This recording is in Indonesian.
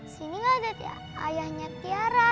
sini gak ada tia ayahnya tiara